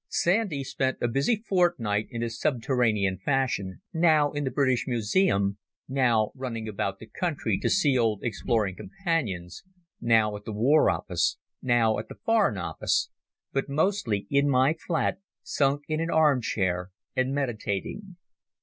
Sandy spent a busy fortnight in his subterranean fashion, now in the British Museum, now running about the country to see old exploring companions, now at the War Office, now at the Foreign Office, but mostly in my flat, sunk in an arm chair and meditating.